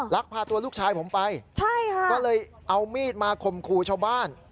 ลักพาตัวลูกชายผมไปก็เลยเอามีดมาคมครูชาวบ้าน